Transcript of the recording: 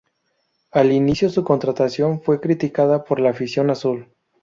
Al inició su contratación fue criticada por la afición azul.